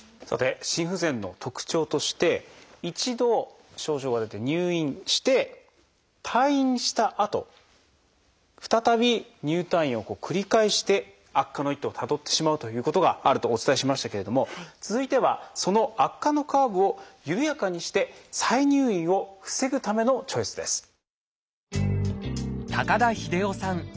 さて心不全の特徴として一度症状が出て入院して退院したあと再び入退院を繰り返して悪化の一途をたどってしまうということがあるとお伝えしましたけれども続いてはその悪化のカーブを緩やかにして再入院を防ぐためのチョイスです。